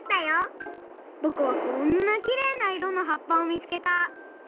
ぼくはこんなきれいないろのはっぱをみつけた！